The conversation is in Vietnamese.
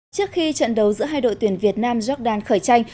trước khi trận đấu giữa hai đội tuyển việt nam jordan khởi tranh